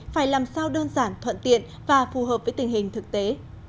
phải làm sao đơn giản thuận tiện và phù hợp với tình hình thực tế